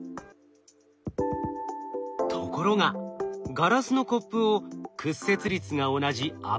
ところがガラスのコップを屈折率が同じ油に入れると。